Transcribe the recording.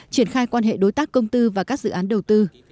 triển khai quan hệ đối tác công tư và các dự án đầu tư